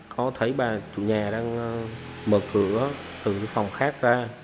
có thấy bà chủ nhà đang mở cửa từ phòng khác ra